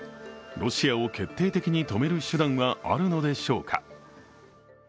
ロシアを決定的に止める手段はあるのでしょうか。